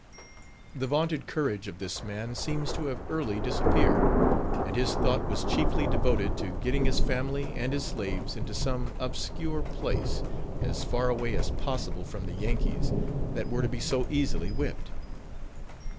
The vaunted courage of this man seems to have early disappeared, and his thought was chiefly devoted to getting his family and his slaves into some obscure place, as far away as possible from the Yankees, that were to be so easily whipped.